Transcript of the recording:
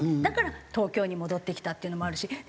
だから東京に戻ってきたっていうのもあるし。